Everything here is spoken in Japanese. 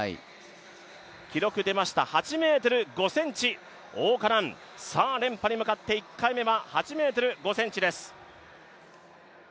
記録でました８ｍ５ｃｍ、王嘉男さあ連覇に向かって１回目は８ｍ５ｃｍです。